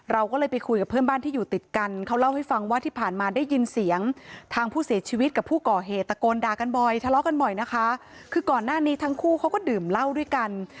เราก็เลยไปคุยกับเพื่อนบ้านที่อยู่ติดกัน